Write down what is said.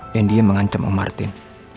dan dia mengancam om martin